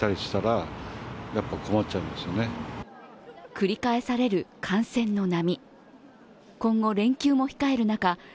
繰り返される感染の波。